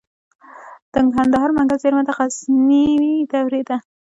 د کندهار منگل زیرمه د غزنوي دورې ده